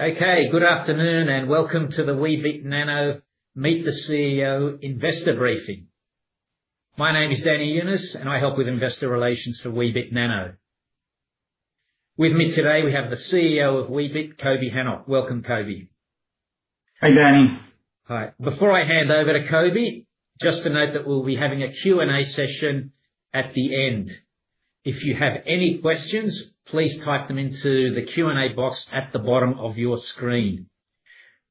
Okay, good afternoon and welcome to the Weebit Nano Meet the CEO Investor Briefing. My name is Danny Younis and I help with investor relations for Weebit Nano. With me today, we have the CEO of Weebit, Coby Hanoch. Welcome, Coby. Hey, Danny. All right, before I hand over to Coby, just to note that we'll be having a Q&A session at the end. If you have any questions, please type them into the Q&A box at the bottom of your screen.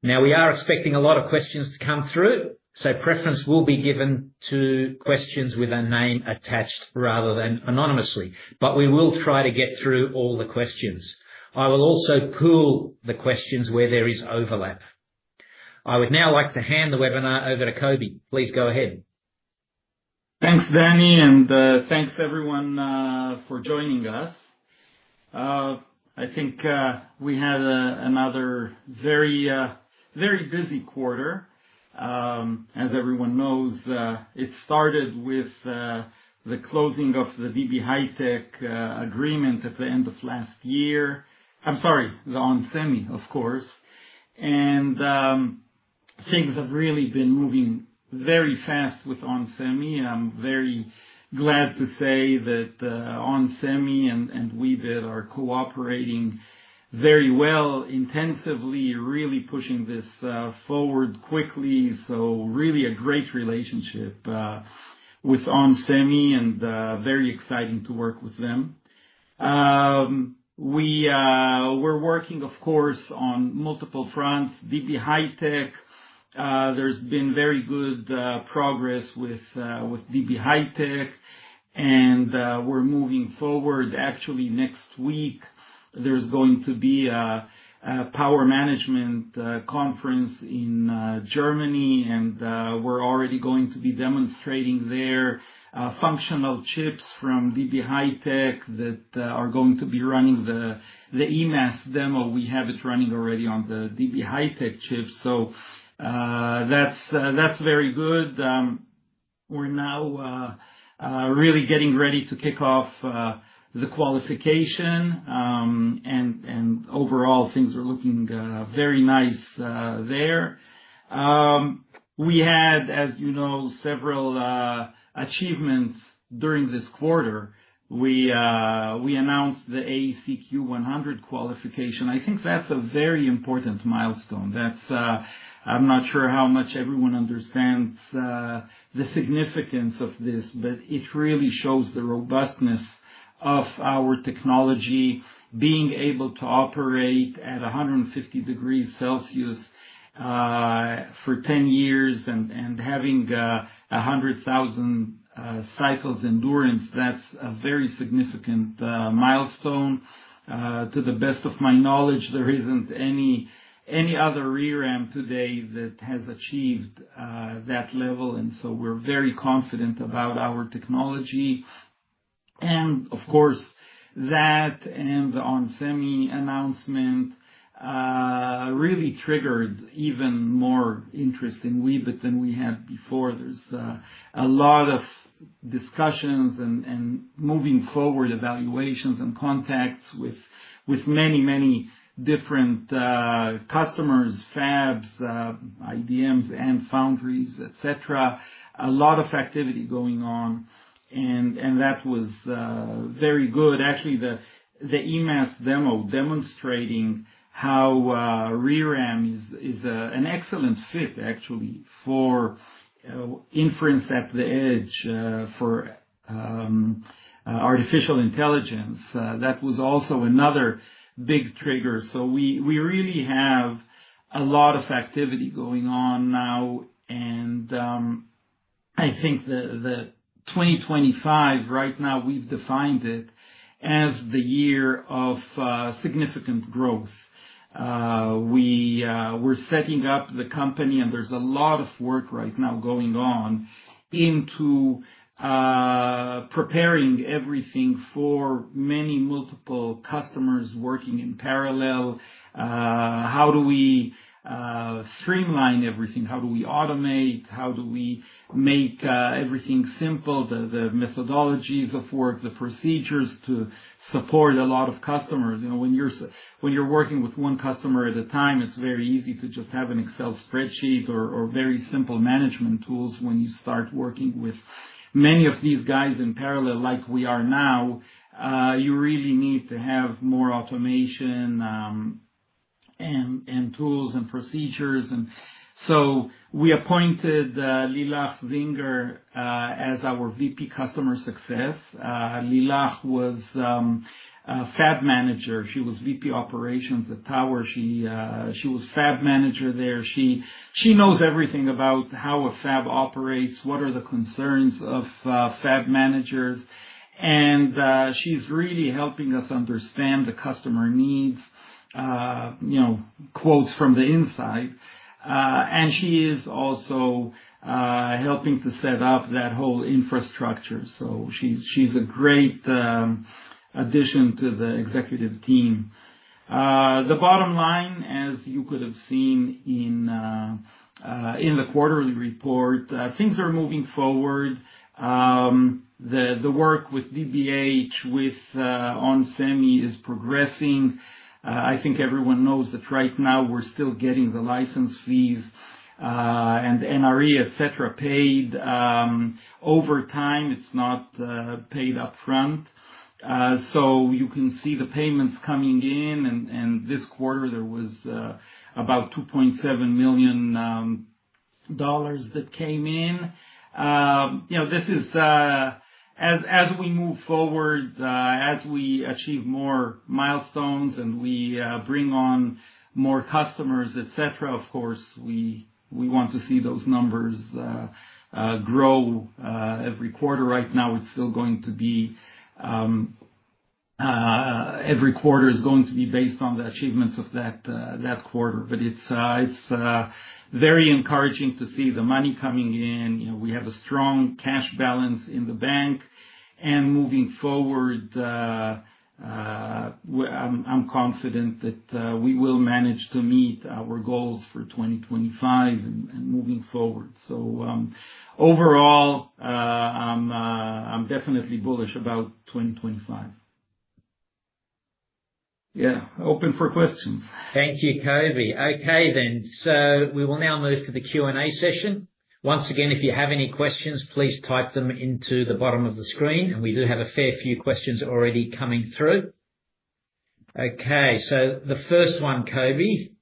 Now, we are expecting a lot of questions to come through, so preference will be given to questions with a name attached rather than anonymously, but we will try to get through all the questions. I will also pool the questions where there is overlap. I would now like to hand the webinar over to Coby. Please go ahead. Thanks, Danny, and thanks everyone for joining us. I think we had another very, very busy quarter. As everyone knows, it started with the closing of the DB HiTek agreement at the end of last year. I'm sorry, the onsemi, of course. Things have really been moving very fast with onsemi. I'm very glad to say that onsemi and Weebit are cooperating very well, intensively, really pushing this forward quickly. Really a great relationship with onsemi and very exciting to work with them. We were working, of course, on multiple fronts. DB HiTek, there's been very good progress with DB HiTek, and we're moving forward. Actually, next week, there's going to be a power management conference in Germany, and we're already going to be demonstrating their functional chips from DB HiTek that are going to be running the EMAS demo. We have it running already on the DB HiTek chips. That's very good. We're now really getting ready to kick off the qualification, and overall, things are looking very nice there. We had, as you know, several achievements during this quarter. We announced the AEC-Q100 qualification. I think that's a very important milestone. I'm not sure how much everyone understands the significance of this, but it really shows the robustness of our technology being able to operate at 150 degrees Celsius for 10 years and having 100,000 cycles endurance. That's a very significant milestone. To the best of my knowledge, there isn't any other ReRAM today that has achieved that level, and we're very confident about our technology. Of course, that and the onsemi announcement really triggered even more interest in Weebit Nano than we had before. There's a lot of discussions and moving forward evaluations and contacts with many, many different customers, fabs, IDMs, and foundries, etc. A lot of activity going on, and that was very good. Actually, the EMAS demo demonstrating how ReRAM is an excellent fit, actually, for inference at the edge for artificial intelligence. That was also another big trigger. We really have a lot of activity going on now, and I think that 2025, right now, we've defined it as the year of significant growth. We're setting up the company, and there's a lot of work right now going on into preparing everything for many multiple customers working in parallel. How do we streamline everything? How do we automate? How do we make everything simple? The methodologies of work, the procedures to support a lot of customers. When you're working with one customer at a time, it's very easy to just have an Excel spreadsheet or very simple management tools. When you start working with many of these guys in parallel, like we are now, you really need to have more automation and tools and procedures. We appointed Lilach Zinger as our VP Customer Success. Lilach was a fab manager. She was VP Operations at Tower. She was fab manager there. She knows everything about how a fab operates, what are the concerns of fab managers, and she's really helping us understand the customer needs, quotes from the inside. She is also helping to set up that whole infrastructure. She's a great addition to the executive team. The bottom line, as you could have seen in the quarterly report, things are moving forward. The work with DB HiTek, with onsemi, is progressing. I think everyone knows that right now we're still getting the license fees and NRE, etcetera, paid. Over time, it's not paid upfront. You can see the payments coming in, and this quarter, there was about $2.7 million that came in. As we move forward, as we achieve more milestones and we bring on more customers, etc., of course, we want to see those numbers grow every quarter. Right now, it's still going to be every quarter is going to be based on the achievements of that quarter, but it's very encouraging to see the money coming in. We have a strong cash balance in the bank, and moving forward, I'm confident that we will manage to meet our goals for 2025 and moving forward. Overall, I'm definitely bullish about 2025. Yeah, open for questions. Thank you, Coby. Okay then, we will now move to the Q&A session. Once again, if you have any questions, please type them into the bottom of the screen, and we do have a fair few questions already coming through. Okay, the first one, Coby,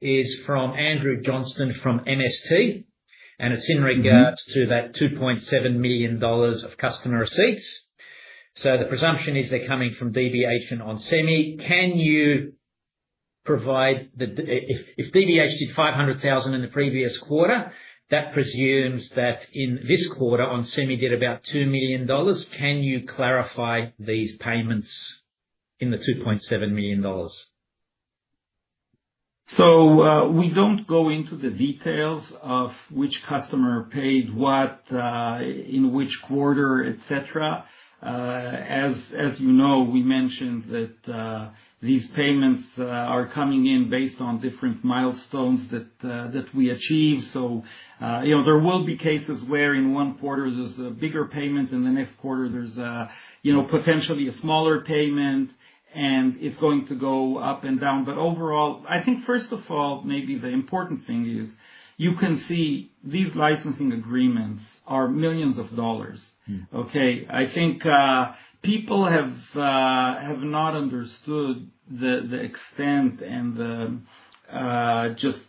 is from Andrew Johnston from MST, and it's in regards to that $2.7 million of customer receipts. The presumption is they're coming from DB HiTek and onsemi. Can you provide the, if DB HiTek did $500,000 in the previous quarter, that presumes that in this quarter, onsemi did about $2 million. Can you clarify these payments in the $2.7 million? We do not go into the details of which customer paid what, in which quarter, etc. As you know, we mentioned that these payments are coming in based on different milestones that we achieve. There will be cases where in one quarter there is a bigger payment, in the next quarter there is potentially a smaller payment, and it is going to go up and down. Overall, I think first of all, maybe the important thing is you can see these licensing agreements are millions of dollars. I think people have not understood the extent and just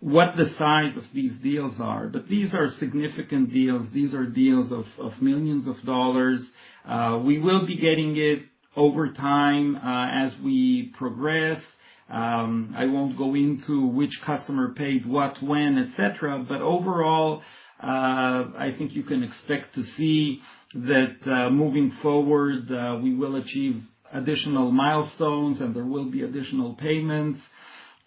what the size of these deals are, but these are significant deals. These are deals of millions of dollars. We will be getting it over time as we progress. I won't go into which customer paid what, when, etc., but overall, I think you can expect to see that moving forward, we will achieve additional milestones and there will be additional payments.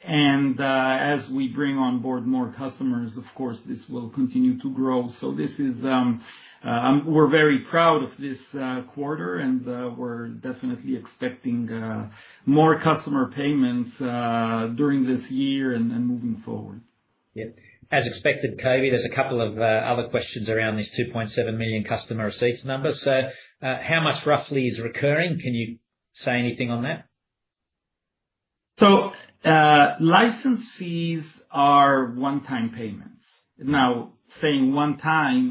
As we bring on board more customers, of course, this will continue to grow. We are very proud of this quarter, and we are definitely expecting more customer payments during this year and moving forward. Yeah, as expected, Coby, there's a couple of other questions around this 2.7 million customer receipts number. Can you say anything on that, how much roughly is recurring? License fees are one-time payments. Now, saying one time,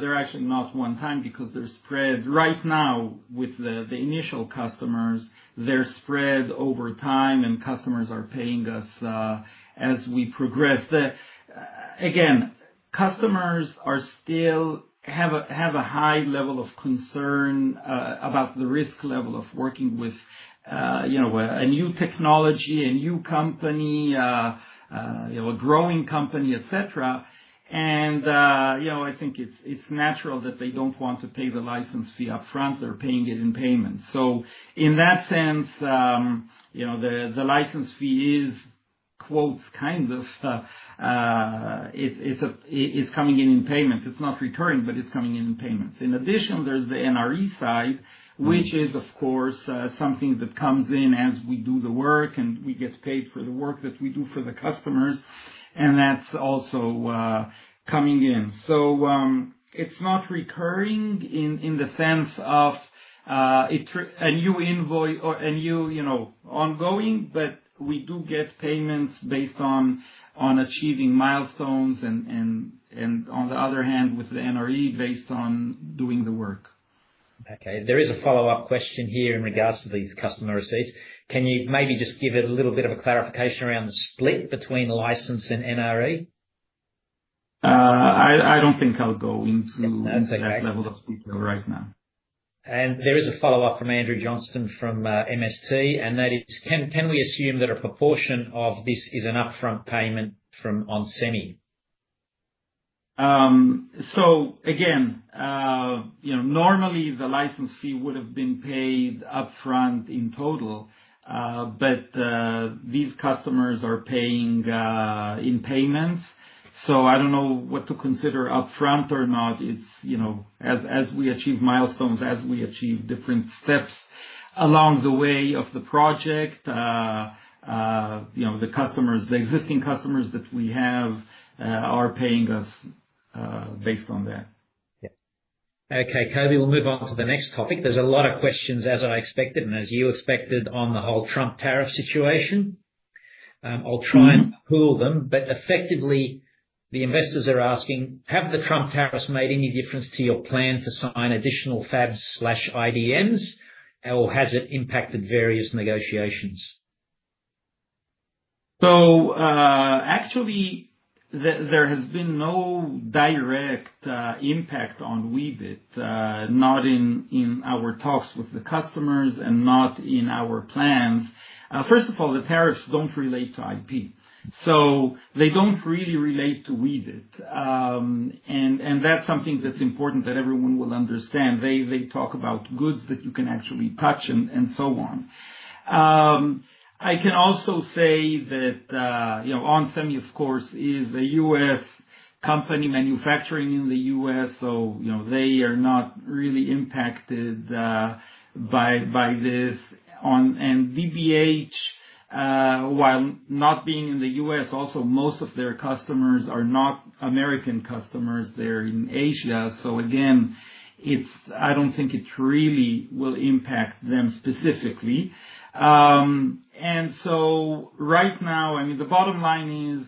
they're actually not one time because they're spread right now with the initial customers. They're spread over time, and customers are paying us as we progress. Again, customers still have a high level of concern about the risk level of working with a new technology, a new company, a growing company, etc. I think it's natural that they don't want to pay the license fee upfront. They're paying it in payments. In that sense, the license fee is, quotes, kind of, it's coming in in payments. It's not recurring, but it's coming in in payments. In addition, there's the NRE side, which is, of course, something that comes in as we do the work and we get paid for the work that we do for the customers, and that's also coming in. It is not recurring in the sense of a new invoice or a new ongoing, but we do get payments based on achieving milestones and, on the other hand, with the NRE based on doing the work. Okay, there is a follow-up question here in regards to these customer receipts. Can you maybe just give it a little bit of a clarification around the split between license and NRE? I don't think I'll go into that level of detail right now. There is a follow-up from Andrew Johnston from MST, and that is, can we assume that a proportion of this is an upfront payment from onsemi? Normally the license fee would have been paid upfront in total, but these customers are paying in payments. I do not know what to consider upfront or not. As we achieve milestones, as we achieve different steps along the way of the project, the customers, the existing customers that we have, are paying us based on that. Yeah. Okay, Coby, we'll move on to the next topic. There's a lot of questions, as I expected, and as you expected, on the whole Trump tariff situation. I'll try and pool them, but effectively, the investors are asking, have the Trump tariffs made any difference to your plan to sign additional fabs/IDMs, or has it impacted various negotiations? Actually, there has been no direct impact on Weebit, not in our talks with the customers and not in our plans. First of all, the tariffs do not relate to IP. They do not really relate to Weebit, and that is something that is important that everyone will understand. They talk about goods that you can actually touch and so on. I can also say that onsemi, of course, is a U.S. company manufacturing in the U.S., so they are not really impacted by this. DB HiTek, while not being in the U.S., also, most of their customers are not American customers. They are in Asia. Again, I do not think it really will impact them specifically. Right now, I mean, the bottom line is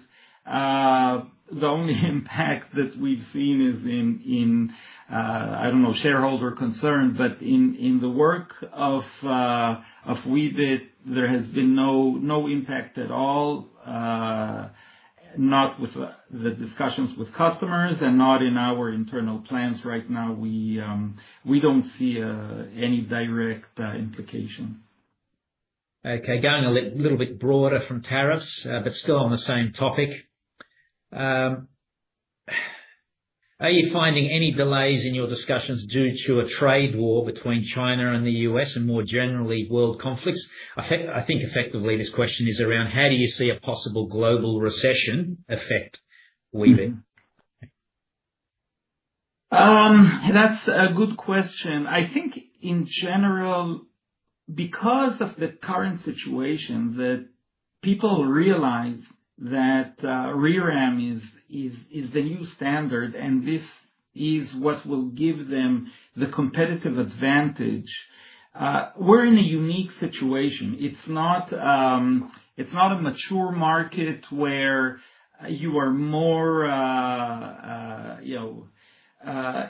the only impact that we've seen is in, I don't know, shareholder concern, but in the work of Weebit, there has been no impact at all, not with the discussions with customers and not in our internal plans. Right now, we don't see any direct implication. Okay, going a little bit broader from tariffs, but still on the same topic. Are you finding any delays in your discussions due to a trade war between China and the U.S. and more generally world conflicts? I think effectively this question is around how do you see a possible global recession affect Weebit? That's a good question. I think in general, because of the current situation that people realize that ReRAM is the new standard and this is what will give them the competitive advantage, we're in a unique situation. It's not a mature market where you are more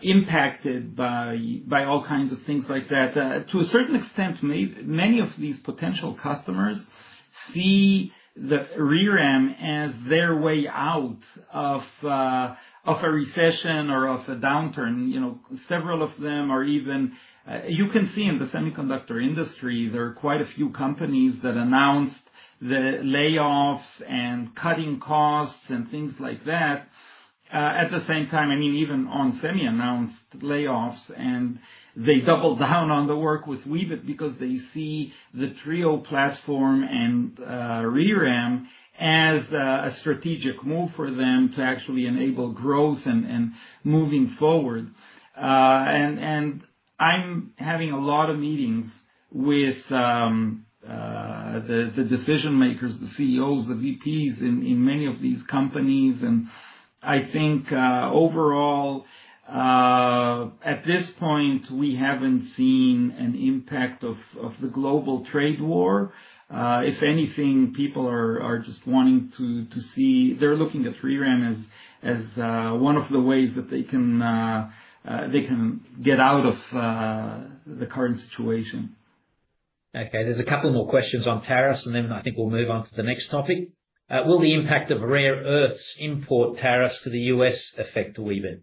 impacted by all kinds of things like that. To a certain extent, many of these potential customers see the ReRAM as their way out of a recession or of a downturn. Several of them are even, you can see in the semiconductor industry, there are quite a few companies that announced the layoffs and cutting costs and things like that. At the same time, I mean, even onsemi announced layoffs, and they doubled down on the work with Weebit because they see the trio platform and ReRAM as a strategic move for them to actually enable growth and moving forward. I'm having a lot of meetings with the decision makers, the CEOs, the VPs in many of these companies. I think overall, at this point, we haven't seen an impact of the global trade war. If anything, people are just wanting to see, they're looking at ReRAM as one of the ways that they can get out of the current situation. Okay, there's a couple more questions on tariffs, and then I think we'll move on to the next topic. Will the impact of rare earths import tariffs to the U.S. affect Weebit?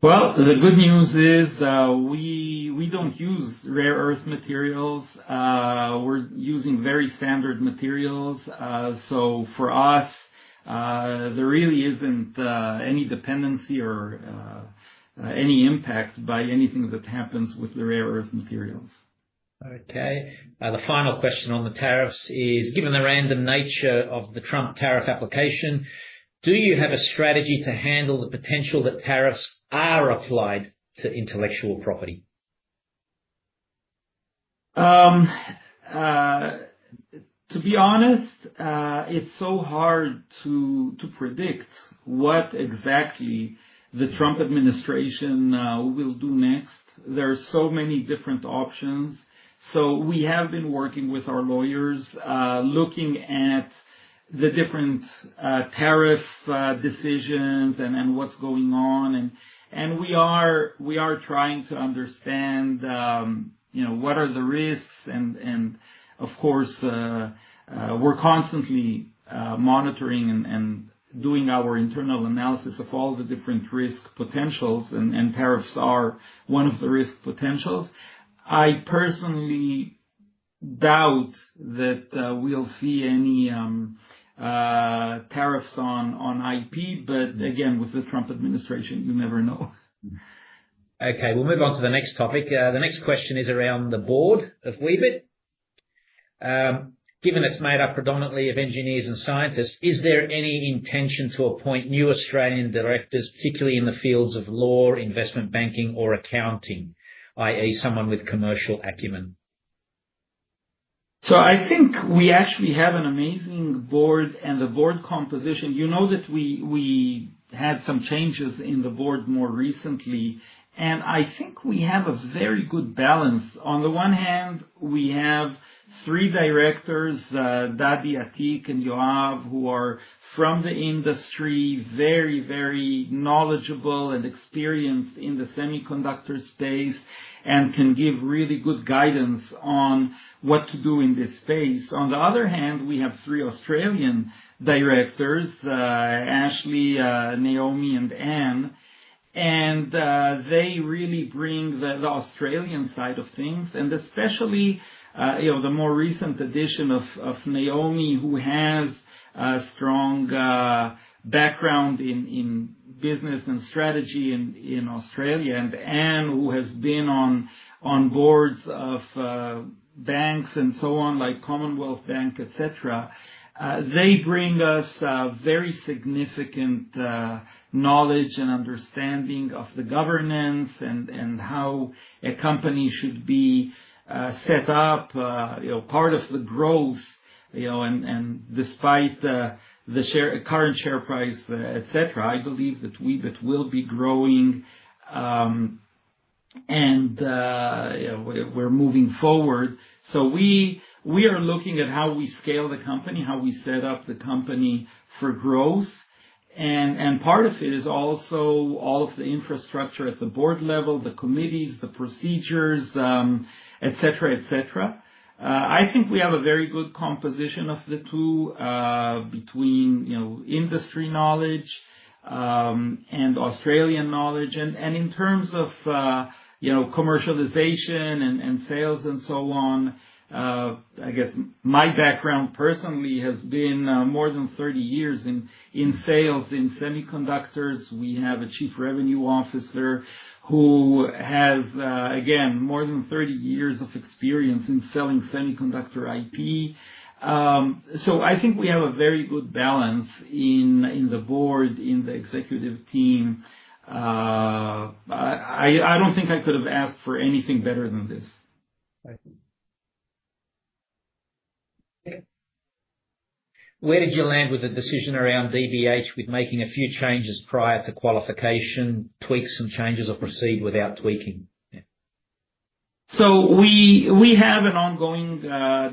The good news is we don't use rare earth materials. We're using very standard materials. For us, there really isn't any dependency or any impact by anything that happens with the rare earth materials. Okay, the final question on the tariffs is, given the random nature of the Trump tariff application, do you have a strategy to handle the potential that tariffs are applied to intellectual property? To be honest, it's so hard to predict what exactly the Trump administration will do next. There are so many different options. We have been working with our lawyers looking at the different tariff decisions and what's going on. We are trying to understand what are the risks. Of course, we're constantly monitoring and doing our internal analysis of all the different risk potentials, and tariffs are one of the risk potentials. I personally doubt that we'll see any tariffs on IP, but again, with the Trump administration, you never know. Okay, we'll move on to the next topic. The next question is around the board of Weebit. Given it's made up predominantly of engineers and scientists, is there any intention to appoint new Australian directors, particularly in the fields of law, investment banking, or accounting, i.e., someone with commercial acumen? I think we actually have an amazing board and the board composition. You know that we had some changes in the board more recently, and I think we have a very good balance. On the one hand, we have three directors, Dadi Atik and Yoav, who are from the industry, very, very knowledgeable and experienced in the semiconductor space and can give really good guidance on what to do in this space. On the other hand, we have three Australian directors, Ashley, Naomi, and Anne, and they really bring the Australian side of things. Especially the more recent addition of Naomi, who has a strong background in business and strategy in Australia, and Anne, who has been on boards of banks and so on, like Commonwealth Bank, etcetera. They bring us very significant knowledge and understanding of the governance and how a company should be set up, part of the growth. Despite the current share price, etc., I believe that Weebit will be growing and we're moving forward. We are looking at how we scale the company, how we set up the company for growth. Part of it is also all of the infrastructure at the board level, the committees, the procedures, etc., etc. I think we have a very good composition of the two between industry knowledge and Australian knowledge. In terms of commercialization and sales and so on, I guess my background personally has been more than 30 years in sales in semiconductors. We have a Chief Revenue Officer who has, again, more than 30 years of experience in selling semiconductor IP. I think we have a very good balance in the board, in the executive team. I don't think I could have asked for anything better than this. Okay. Where did you land with the decision around DB HiTek with making a few changes prior to qualification, tweaks and changes or proceed without tweaking? We have an ongoing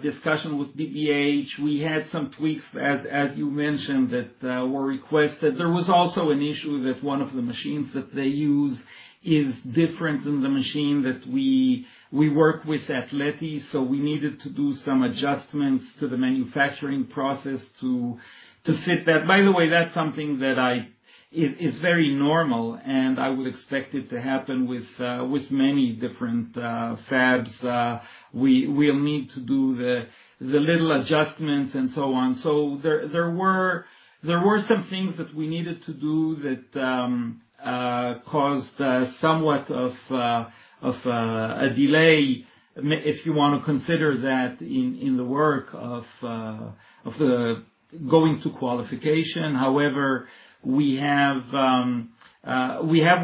discussion with DB HiTek. We had some tweaks, as you mentioned, that were requested. There was also an issue that one of the machines that they use is different than the machine that we work with at Leti. We needed to do some adjustments to the manufacturing process to fit that. By the way, that's something that is very normal, and I would expect it to happen with many different fabs. We'll need to do the little adjustments and so on. There were some things that we needed to do that caused somewhat of a delay, if you want to consider that, in the work of the going to qualification. However, we have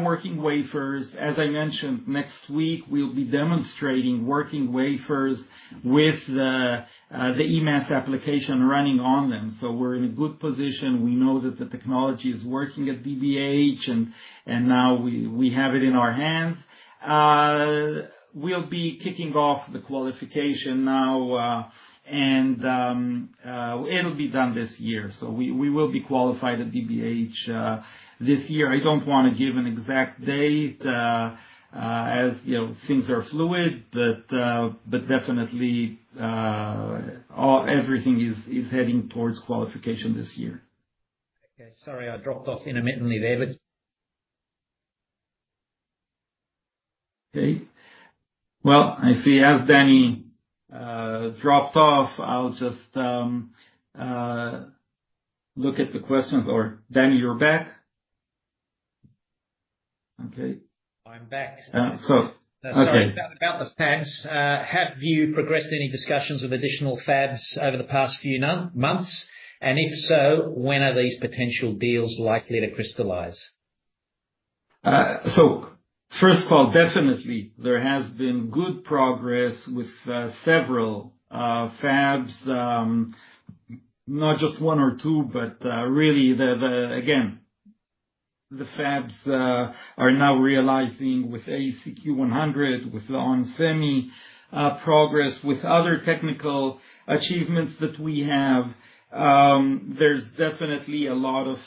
working wafers. As I mentioned, next week we'll be demonstrating working wafers with the EMAS application running on them. We're in a good position. We know that the technology is working at DB HiTek, and now we have it in our hands. We'll be kicking off the qualification now, and it'll be done this year. We will be qualified at DB HiTek this year. I don't want to give an exact date as things are fluid, but definitely everything is heading towards qualification this year. Okay, sorry, I dropped off intermittently there, but. Okay. I see as Danny dropped off, I'll just look at the questions. Or Danny, you're back? Okay. I'm back. I think that about the fabs. Have you progressed any discussions with additional fabs over the past few months? If so, when are these potential deals likely to crystallize? First of all, definitely there has been good progress with several fabs, not just one or two, but really, again, the fabs are now realizing with AEC-Q100, with the onsemi progress, with other technical achievements that we have. There is definitely a lot of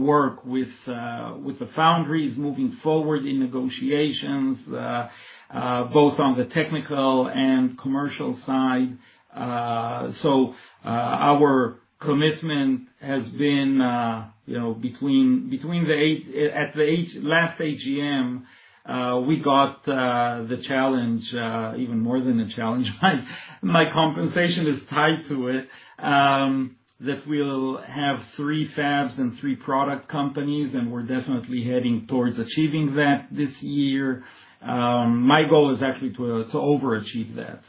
work with the foundries moving forward in negotiations, both on the technical and commercial side. Our commitment has been between the eight at the last AGM, we got the challenge, even more than a challenge. My compensation is tied to it, that we will have three fabs and three product companies, and we are definitely heading towards achieving that this year. My goal is actually to overachieve that.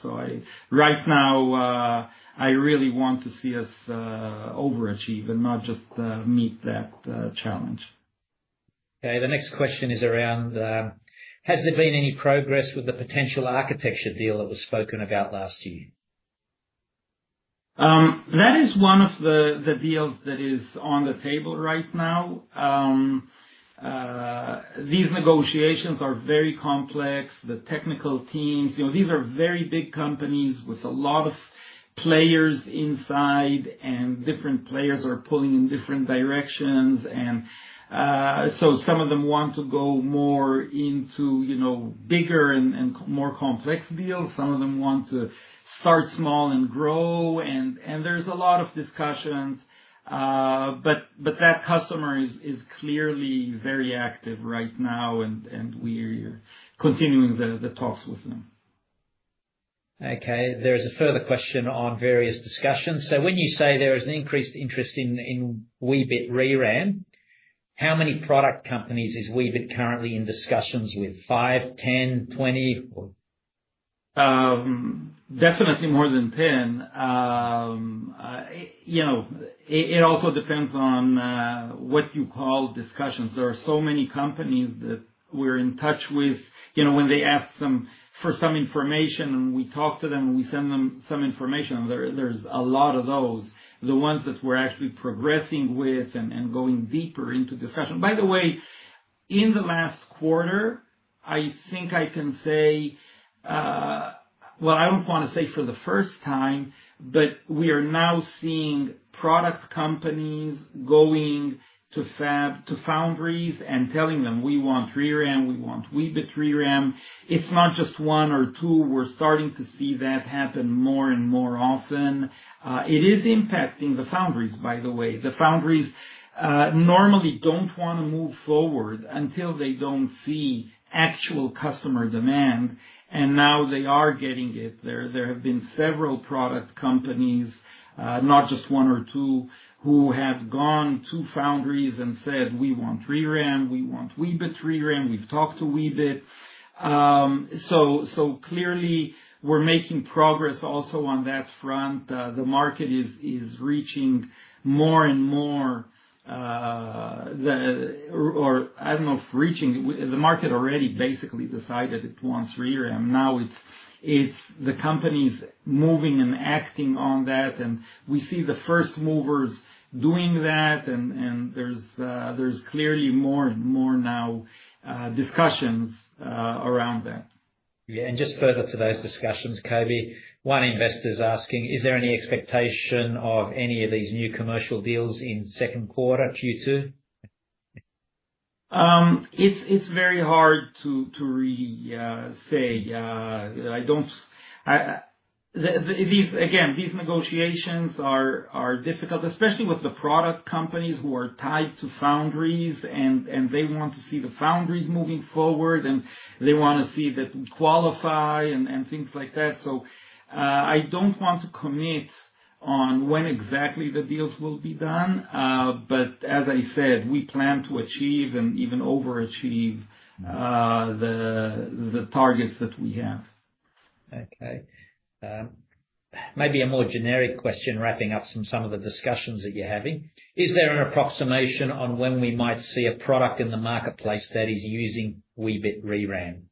Right now, I really want to see us overachieve and not just meet that challenge. Okay, the next question is around, has there been any progress with the potential architecture deal that was spoken about last year? That is one of the deals that is on the table right now. These negotiations are very complex. The technical teams, these are very big companies with a lot of players inside, and different players are pulling in different directions. Some of them want to go more into bigger and more complex deals. Some of them want to start small and grow. There is a lot of discussion, but that customer is clearly very active right now, and we're continuing the talks with them. Okay, there's a further question on various discussions. When you say there is an increased interest in Weebit ReRAM, how many product companies is Weebit currently in discussions with? Five, 10, 20? Definitely more than 10. It also depends on what you call discussions. There are so many companies that we're in touch with when they ask for some information, and we talk to them, and we send them some information. There's a lot of those. The ones that we're actually progressing with and going deeper into discussion. By the way, in the last quarter, I think I can say, I don't want to say for the first time, but we are now seeing product companies going to foundries and telling them, "We want rear end. We want Weebit rear end." It's not just one or two. We're starting to see that happen more and more often. It is impacting the foundries, by the way. The foundries normally don't want to move forward until they don't see actual customer demand, and now they are getting it. There have been several product companies, not just one or two, who have gone to foundries and said, "We want ReRAM. We want Weebit ReRAM. We've talked to Weebit." Clearly, we're making progress also on that front. The market is reaching more and more, or I don't know if reaching. The market already basically decided it wants ReRAM. Now it's the companies moving and acting on that, and we see the first movers doing that. There's clearly more and more now discussions around that. Yeah, and just further to those discussions, Coby, one investor's asking, is there any expectation of any of these new commercial deals in second quarter Q2? It's very hard to really say. Again, these negotiations are difficult, especially with the product companies who are tied to foundries, and they want to see the foundries moving forward, and they want to see that we qualify and things like that. I don't want to commit on when exactly the deals will be done, but as I said, we plan to achieve and even overachieve the targets that we have. Okay. Maybe a more generic question wrapping up some of the discussions that you're having. Is there an approximation on when we might see a product in the marketplace that is using Weebit ReRAM?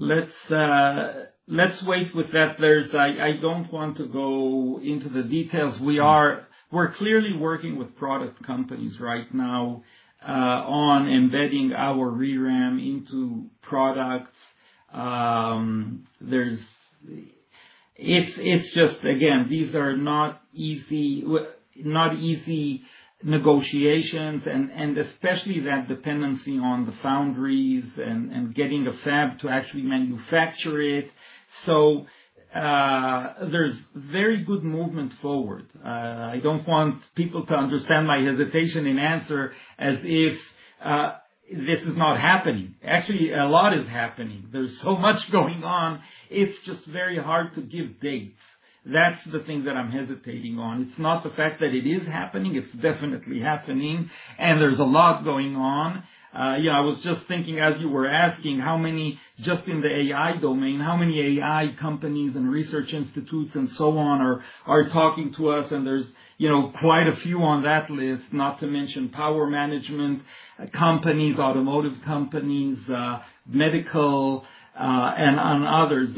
Let's wait with that. I don't want to go into the details. We're clearly working with product companies right now on embedding our ReRAM into products. It's just, again, these are not easy negotiations, and especially that dependency on the foundries and getting a fab to actually manufacture it. There is very good movement forward. I don't want people to understand my hesitation in answer as if this is not happening. Actually, a lot is happening. There is so much going on. It's just very hard to give dates. That's the thing that I'm hesitating on. It's not the fact that it is happening. It's definitely happening, and there is a lot going on. I was just thinking, as you were asking, just in the AI domain, how many AI companies and research institutes and so on are talking to us, and there's quite a few on that list, not to mention power management companies, automotive companies, medical, and others.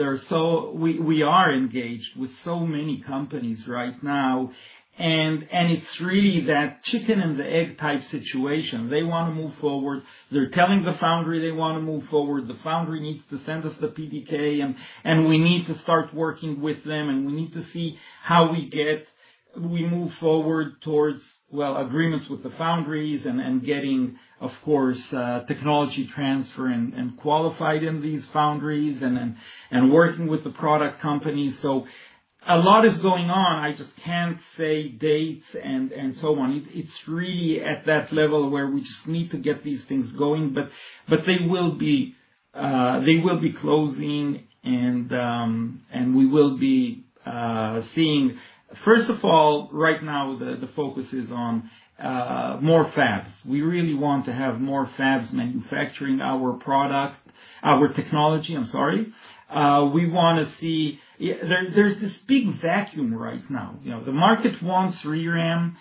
We are engaged with so many companies right now, and it's really that chicken and the egg type situation. They want to move forward. They're telling the foundry they want to move forward. The foundry needs to send us the PDK, and we need to start working with them, and we need to see how we move forward towards, well, agreements with the foundries and getting, of course, technology transfer and qualified in these foundries and working with the product companies. A lot is going on. I just can't say dates and so on. It's really at that level where we just need to get these things going, but they will be closing, and we will be seeing. First of all, right now, the focus is on more fabs. We really want to have more fabs manufacturing our product, our technology. I'm sorry. We want to see there's this big vacuum right now. The market wants ReRAM.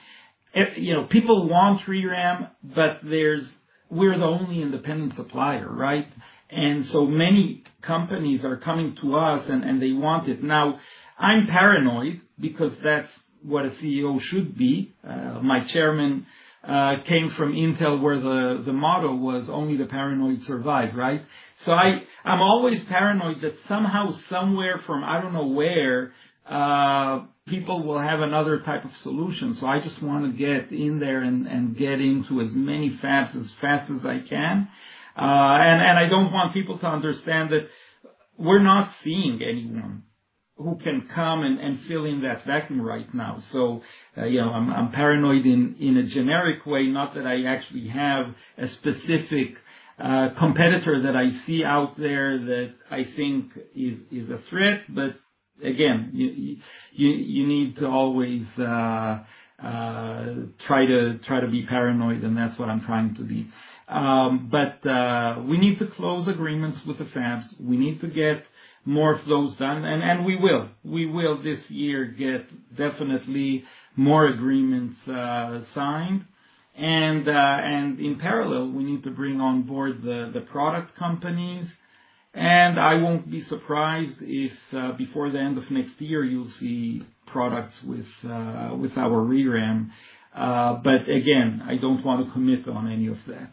People want ReRAM, but we're the only independent supplier, right? And so many companies are coming to us, and they want it. Now, I'm paranoid because that's what a CEO should be. My chairman came from Intel where the motto was, "Only the paranoid survive," right? I'm always paranoid that somehow, somewhere from I don't know where, people will have another type of solution. I just want to get in there and get into as many fabs as fast as I can. I do not want people to understand that we are not seeing anyone who can come and fill in that vacuum right now. I am paranoid in a generic way, not that I actually have a specific competitor that I see out there that I think is a threat. Again, you need to always try to be paranoid, and that is what I am trying to be. We need to close agreements with the fabs. We need to get more of those done, and we will. We will this year get definitely more agreements signed. In parallel, we need to bring on board the product companies. I will not be surprised if before the end of next year, you will see products with our ReRAM. Again, I do not want to commit on any of that.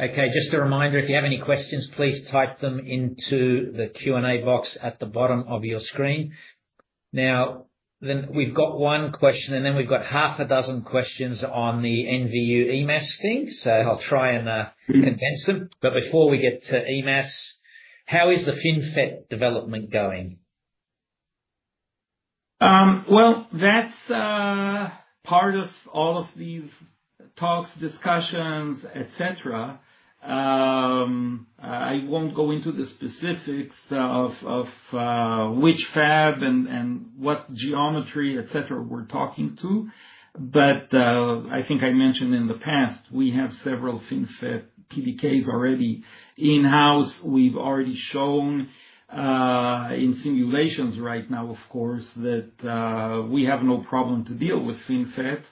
Okay, just a reminder, if you have any questions, please type them into the Q&A box at the bottom of your screen. Now, then we've got one question, and then we've got half a dozen questions on the NVU EMAS thing. I'll try and condense them. Before we get to EMAS, how is the FinFET development going? That is part of all of these talks, discussions, etc. I will not go into the specifics of which fab and what geometry, etc., we are talking to. I think I mentioned in the past, we have several FinFET PDKs already in-house. We have already shown in simulations right now, of course, that we have no problem to deal with FinFET.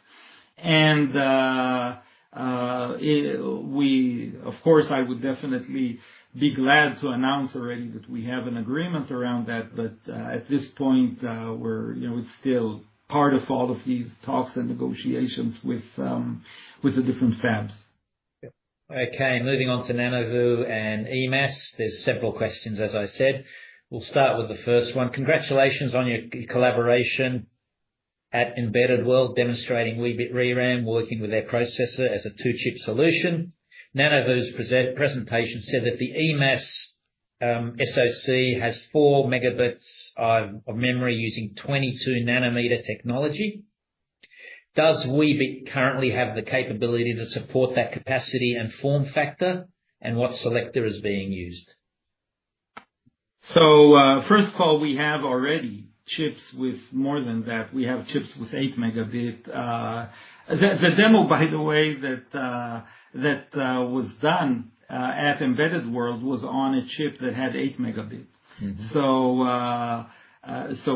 I would definitely be glad to announce already that we have an agreement around that, but at this point, we are still part of all of these talks and negotiations with the different fabs. Okay, moving on to Nanoveu and EMAS. There's several questions, as I said. We'll start with the first one. Congratulations on your collaboration at Embedded World demonstrating Weebit ReRAM, working with their processor as a two-chip solution. Nanoveu's presentation said that the EMAS SoC has 4 Mb of memory using 22 nanometer technology. Does Weebit currently have the capability to support that capacity and form factor, and what selector is being used? First of all, we have already chips with more than that. We have chips with 8 Mb. The demo, by the way, that was done at Embedded World was on a chip that had 8Mb.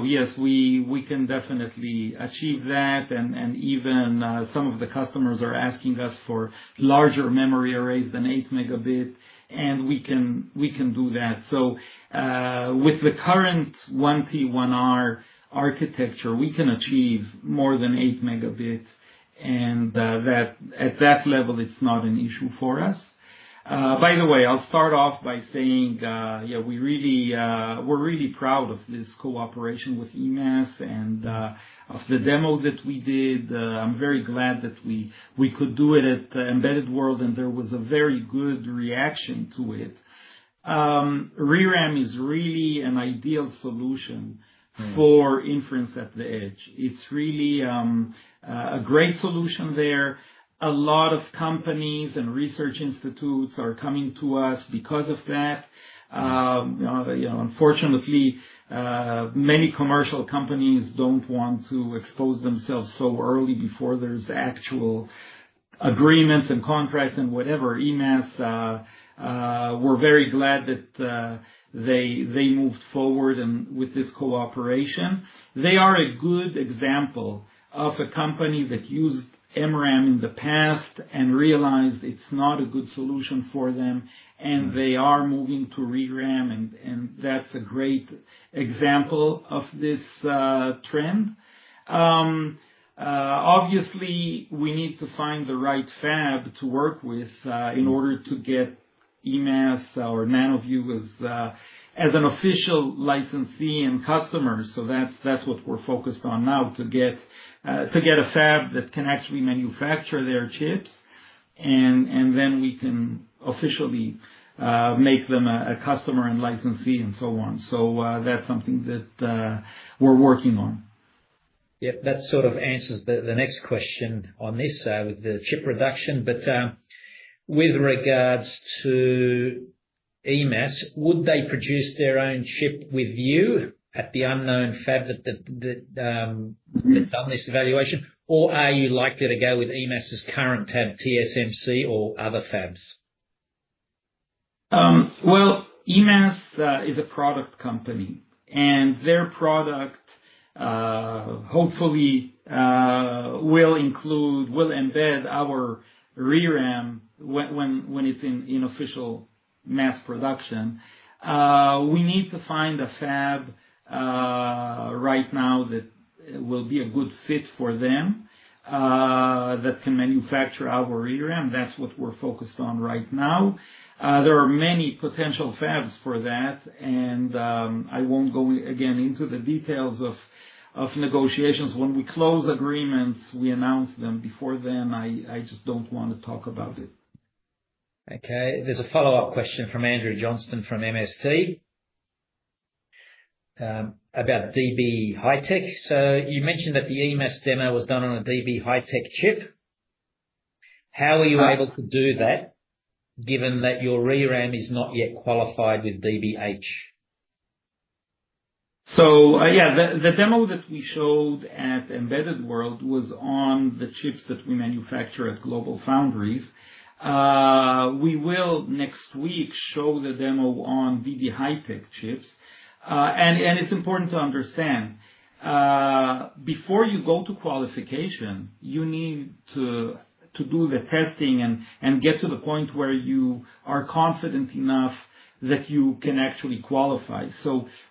Yes, we can definitely achieve that. Even some of the customers are asking us for larger memory arrays than 8 Mb, and we can do that. With the current 1T1R architecture, we can achieve more than 8 Mb. At that level, it's not an issue for us. By the way, I'll start off by saying, yeah, we're really proud of this cooperation with EMAS and of the demo that we did. I'm very glad that we could do it at Embedded World, and there was a very good reaction to it. ReRAM is really an ideal solution for inference at the edge. It's really a great solution there. A lot of companies and research institutes are coming to us because of that. Unfortunately, many commercial companies do not want to expose themselves so early before there are actual agreements and contracts and whatever. EMAS, we are very glad that they moved forward with this cooperation. They are a good example of a company that used MRAM in the past and realized it is not a good solution for them, and they are moving to ReRAM. That is a great example of this trend. Obviously, we need to find the right fab to work with in order to get EMAS or Nanoveu as an official licensee and customer. That is what we are focused on now, to get a fab that can actually manufacture their chips, and then we can officially make them a customer and licensee and so on. That is something that we are working on. Yep, that sort of answers the next question on this side with the chip reduction. With regards to EMAS, would they produce their own chip with you at the unknown fab that's done this evaluation, or are you likely to go with EMAS's current fab, TSMC, or other fabs? EMAS is a product company, and their product hopefully will embed our ReRAM when it's in official mass production. We need to find a fab right now that will be a good fit for them that can manufacture our ReRAM. That's what we're focused on right now. There are many potential fabs for that, and I won't go again into the details of negotiations. When we close agreements, we announce them. Before then, I just don't want to talk about it. Okay, there's a follow-up question from Andrew Johnston from MST about DB HiTek. You mentioned that the EMAS demo was done on a DB HiTek chip. How are you able to do that given that your ReRAM is not yet qualified with DB HiTek? Yeah, the demo that we showed at Embedded World was on the chips that we manufacture at GlobalFoundries. We will next week show the demo on DB HiTek chips. It's important to understand, before you go to qualification, you need to do the testing and get to the point where you are confident enough that you can actually qualify.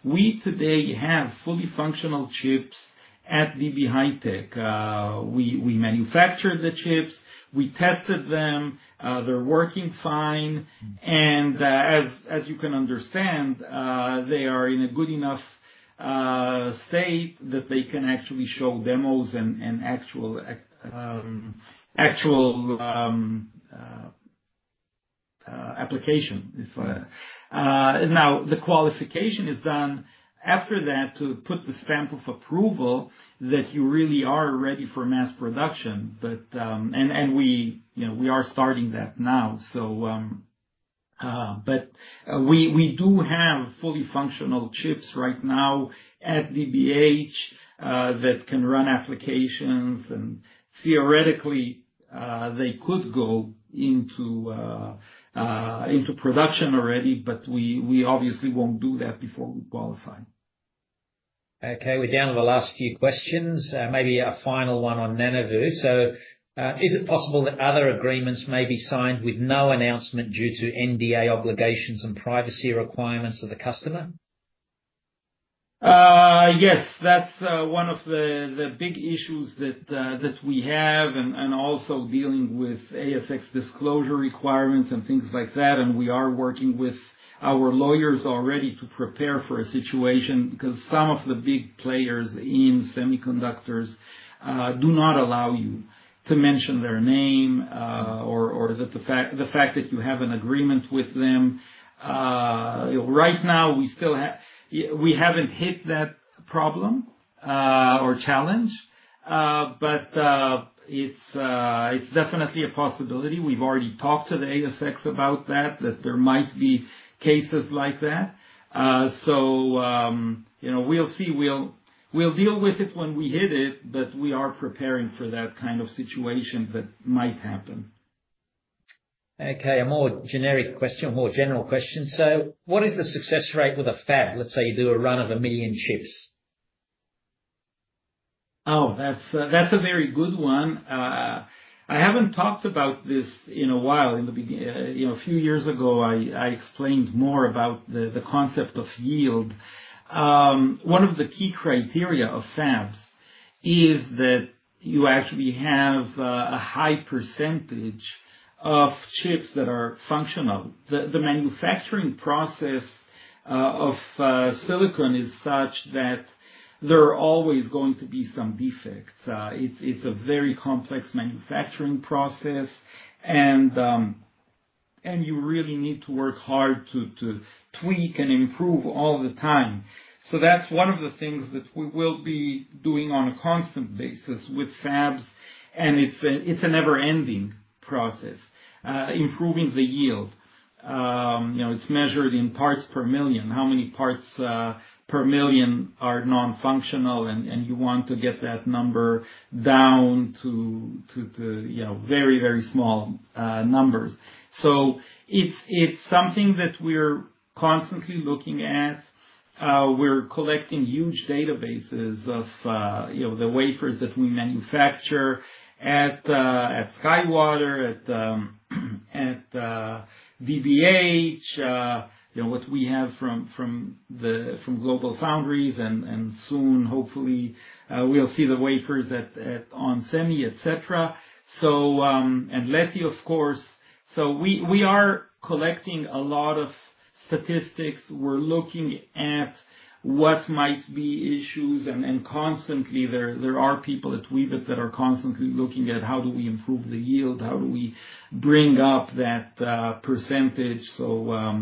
We today have fully functional chips at DB HiTek. We manufactured the chips. We tested them. They're working fine. As you can understand, they are in a good enough state that they can actually show demos and actual application. The qualification is done after that to put the stamp of approval that you really are ready for mass production. We are starting that now. We do have fully functional chips right now at DB HiTek that can run applications. Theoretically, they could go into production already, but we obviously won't do that before we qualify. Okay, we're down to the last few questions. Maybe a final one on Nanoveu. Is it possible that other agreements may be signed with no announcement due to NDA obligations and privacy requirements of the customer? Yes, that's one of the big issues that we have and also dealing with ASX disclosure requirements and things like that. We are working with our lawyers already to prepare for a situation because some of the big players in semiconductors do not allow you to mention their name or the fact that you have an agreement with them. Right now, we haven't hit that problem or challenge, but it's definitely a possibility. We've already talked to the ASX about that, that there might be cases like that. We will see. We will deal with it when we hit it, but we are preparing for that kind of situation that might happen. Okay, a more generic question, more general question. What is the success rate with a fab? Let's say you do a run of a million chips. Oh, that's a very good one. I haven't talked about this in a while. A few years ago, I explained more about the concept of yield. One of the key criteria of fabs is that you actually have a high percentage of chips that are functional. The manufacturing process of silicon is such that there are always going to be some defects. It's a very complex manufacturing process, and you really need to work hard to tweak and improve all the time. That's one of the things that we will be doing on a constant basis with fabs, and it's a never-ending process, improving the yield. It's measured in parts per million, how many parts per million are non-functional, and you want to get that number down to very, very small numbers. It's something that we're constantly looking at. We're collecting huge databases of the wafers that we manufacture at SkyWater, at DB HiTek, what we have from GlobalFoundries, and soon, hopefully, we'll see the wafers onsemi, etc. Leti, of course. We are collecting a lot of statistics. We're looking at what might be issues. There are people at Weebit that are constantly looking at how do we improve the yield, how do we bring up that percentage so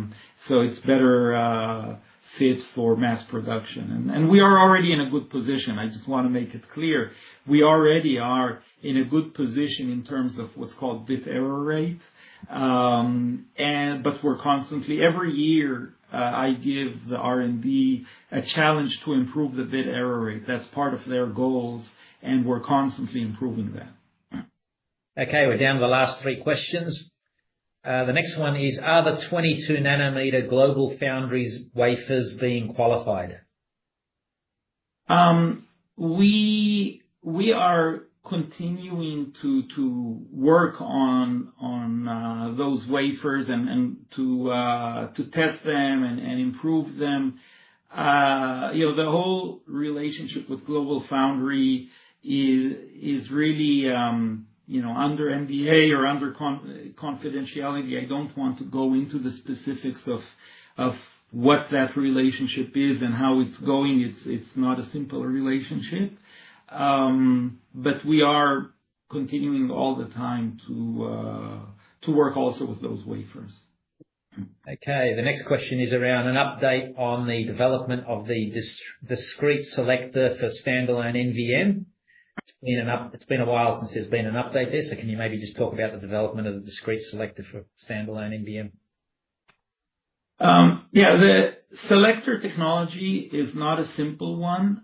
it's a better fit for mass production. We are already in a good position. I just want to make it clear. We already are in a good position in terms of what's called bit error rate. Every year, I give the R&D a challenge to improve the bit error rate. That's part of their goals, and we're constantly improving that. Okay, we're down to the last three questions. The next one is, are the 22 nanometer GlobalFoundries wafers being qualified? We are continuing to work on those wafers and to test them and improve them. The whole relationship with GlobalFoundries is really under NDA or under confidentiality. I do not want to go into the specifics of what that relationship is and how it is going. It is not a simple relationship. We are continuing all the time to work also with those wafers. Okay, the next question is around an update on the development of the discrete selector for standalone NVM. It's been a while since there's been an update there. Can you maybe just talk about the development of the discrete selector for standalone NVM? Yeah, the selector technology is not a simple one.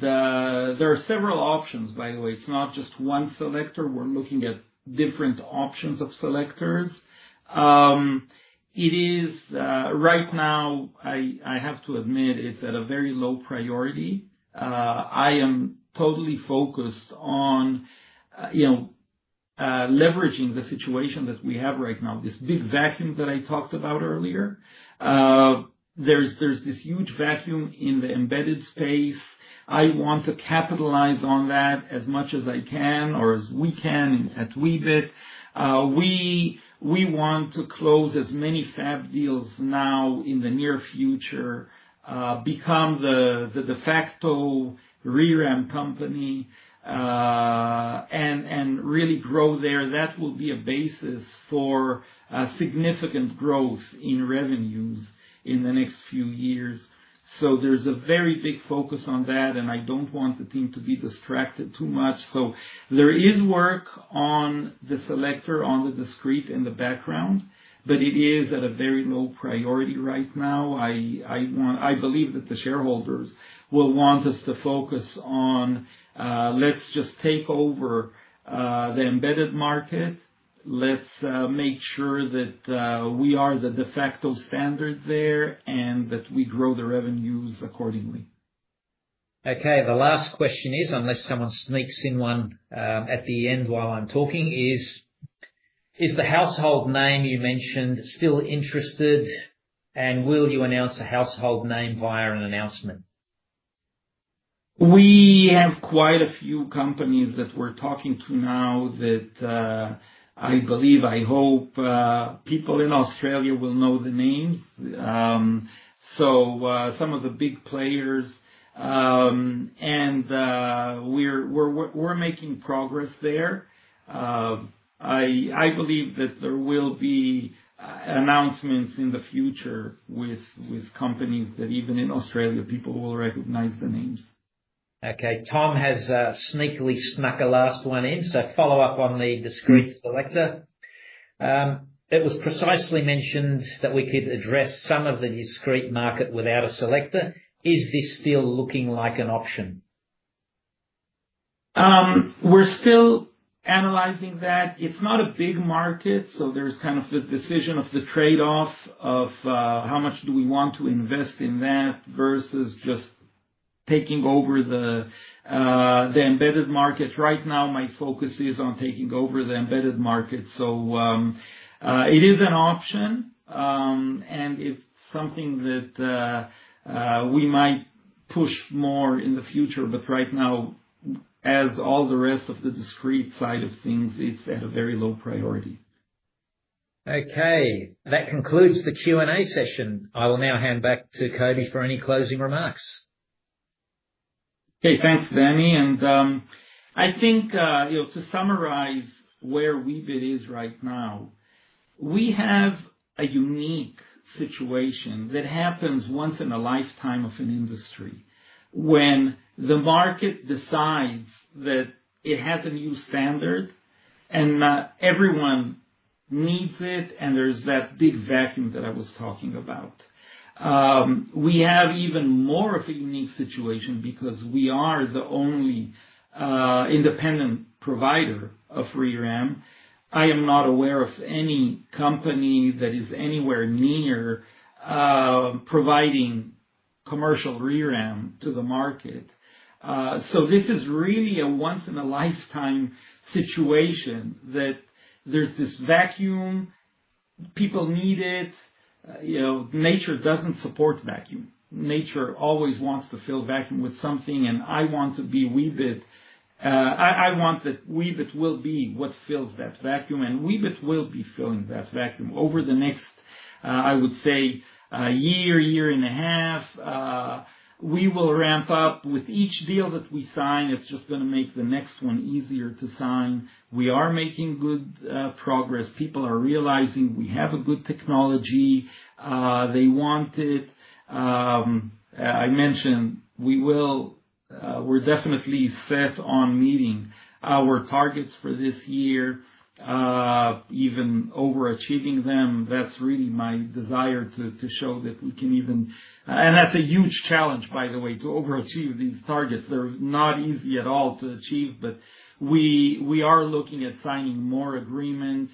There are several options, by the way. It's not just one selector. We're looking at different options of selectors. Right now, I have to admit, it's at a very low priority. I am totally focused on leveraging the situation that we have right now, this big vacuum that I talked about earlier. There's this huge vacuum in the embedded space. I want to capitalize on that as much as I can or as we can at Weebit. We want to close as many fab deals now in the near future, become the de facto ReRAM company, and really grow there. That will be a basis for significant growth in revenues in the next few years. There is a very big focus on that, and I don't want the team to be distracted too much. There is work on the selector, on the discrete in the background, but it is at a very low priority right now. I believe that the shareholders will want us to focus on, let's just take over the embedded market. Let's make sure that we are the de facto standard there and that we grow the revenues accordingly. Okay, the last question is, unless someone sneaks in one at the end while I'm talking, is the household name you mentioned still interested, and will you announce a household name via an announcement? We have quite a few companies that we're talking to now that I believe, I hope people in Australia will know the names. Some of the big players. We're making progress there. I believe that there will be announcements in the future with companies that even in Australia, people will recognize the names. Okay, Tom has sneakily snuck a last one in. Follow-up on the discrete selector. It was precisely mentioned that we could address some of the discrete market without a selector. Is this still looking like an option? We're still analyzing that. It's not a big market, so there's kind of the decision of the trade-off of how much do we want to invest in that versus just taking over the embedded market. Right now, my focus is on taking over the embedded market. It is an option, and it's something that we might push more in the future. Right now, as all the rest of the discrete side of things, it's at a very low priority. Okay, that concludes the Q&A session. I will now hand back to Coby for any closing remarks. Okay, thanks, Danny. I think to summarize where Weebit is right now, we have a unique situation that happens once in a lifetime of an industry when the market decides that it has a new standard and not everyone needs it, and there's that big vacuum that I was talking about. We have even more of a unique situation because we are the only independent provider of ReRAM. I am not aware of any company that is anywhere near providing commercial ReRAM to the market. This is really a once-in-a-lifetime situation that there's this vacuum. People need it. Nature doesn't support vacuum. Nature always wants to fill vacuum with something. I want to be Weebit. I want that Weebit will be what fills that vacuum. Weebit will be filling that vacuum over the next, I would say, year, year and a half. We will ramp up with each deal that we sign. It's just going to make the next one easier to sign. We are making good progress. People are realizing we have a good technology. They want it. I mentioned we will. We're definitely set on meeting our targets for this year, even overachieving them. That's really my desire to show that we can even, and that's a huge challenge, by the way, to overachieve these targets. They're not easy at all to achieve, but we are looking at signing more agreements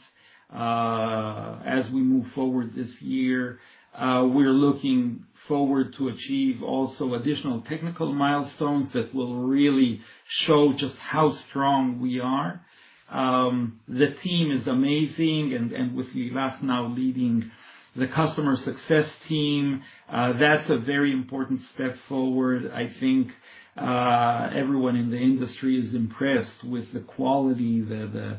as we move forward this year. We're looking forward to achieve also additional technical milestones that will really show just how strong we are. The team is amazing. With Lilach now leading the customer success team, that's a very important step forward. I think everyone in the industry is impressed with the quality, the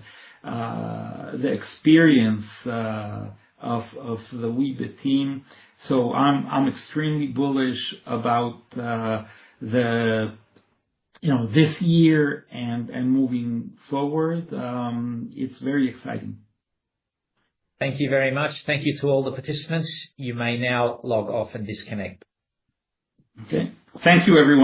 experience of the Weebit team. I am extremely bullish about this year and moving forward. It is very exciting. Thank you very much. Thank you to all the participants. You may now log off and disconnect. Okay. Thank you, everyone.